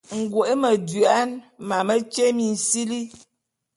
Ngoe medouan, mametye minsili.